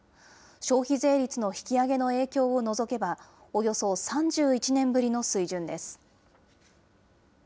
消費税率の引き上げの影響を除けば、およそ３１年ぶりの水準です。